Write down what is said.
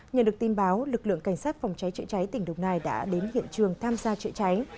nhận được tin báo lực lượng cảnh sát phòng cháy chữa cháy tỉnh đồng nai đã đến hiện trường tham gia chữa cháy